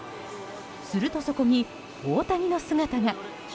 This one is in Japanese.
すると、そこに大谷の姿が。